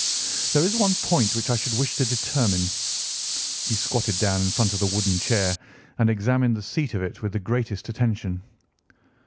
There is one point which I should wish to determine." He squatted down in front of the wooden chair and examined the seat of it with the greatest attention.